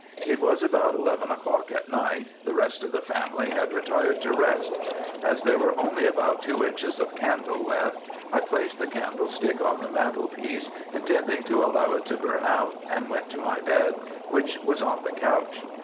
It was about eleven o'clock at night; the rest of the family had retired to rest. As there were only about two inches of candle left, I placed the candlestick on the mantlepiece, intending to allow it to burn out, and went to my bed, which was on the couch.